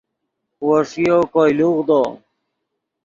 وو ݰیو کوئے لوغدو